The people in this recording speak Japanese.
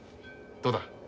どうだ？